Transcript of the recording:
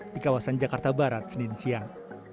di kawasan jakarta barat senin siang